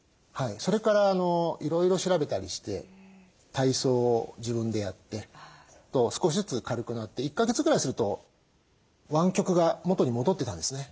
それからいろいろ調べたりして体操を自分でやって少しずつ軽くなって１か月ぐらいすると湾曲が元に戻ってたんですね。